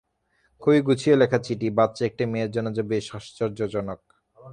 খুবই গুছিয়ে লেখা চিঠি, বাচ্চা একটি মেয়ের জন্যে যা বেশ আশ্চর্যজনক।